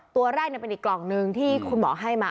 ตัวแรกเป็นอีกกล่องหนึ่งที่คุณหมอให้มา